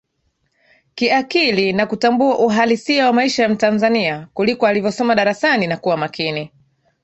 kiakili na kutambua uhalisia wa maisha ya mtanzania kuliko alivyosoma darasani na kuwa makini